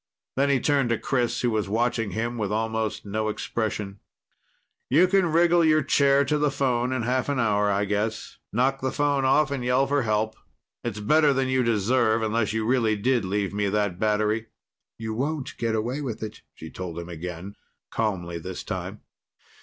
Then he turned to Chris, who was watching him with almost no expression. "You can wriggle your chair to the phone in half an hour, I guess. Knock the phone off and yell for help. It's better than you deserve, unless you really did leave me that battery." "You won't get away with it," she told him again, calmly this time.